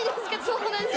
そうなんです。